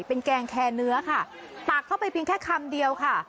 เป็นแกงแคร์เนื้อค่ะตักเข้าไปเพียงแค่คำเดียวค่ะ